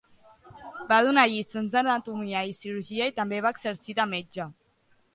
Va donar lliçons d'anatomia i cirurgia, i també va exercir de metge.